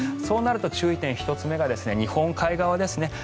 そうなると注意点１つ目が日本海側ですね。